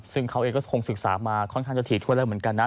ซึ่งเขาเองก็คงศึกษามาค่อนข้างจะถี่ถ้วนแล้วเหมือนกันนะ